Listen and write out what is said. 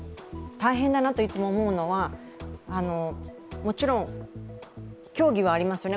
大変だなといつも思うのはもちろん競技はありますよね